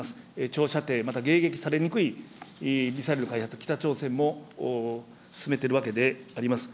長射程、まだ迎撃されにくいミサイルの開発、北朝鮮も進めているわけであります。